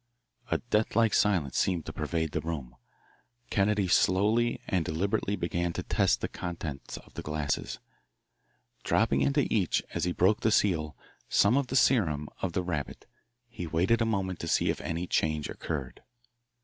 A death like silence seemed to pervade the room. Kennedy slowly and deliberately began to test the contents of the glasses. Dropping into each, as he broke the seal, some of the serum of the rabbit, he waited a moment to see if any change occurred.